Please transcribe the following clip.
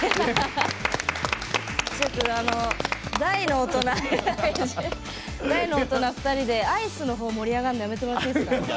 大の大人２人でアイスの方、盛り上がるのやめてもらっていいですか？